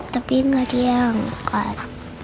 tapi gak diangkat